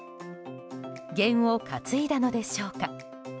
験を担いだのでしょうか。